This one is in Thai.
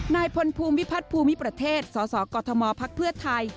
นายพลภูมิพัฒนภูมิประเทศสสกภพไทย